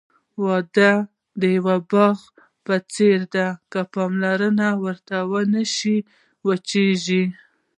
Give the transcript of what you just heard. واده د یوه باغ په څېر دی، که پاملرنه ورته ونشي، وچېږي.